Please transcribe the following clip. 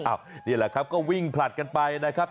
นี่แหละครับก็วิ่งผลัดกันไปนะครับ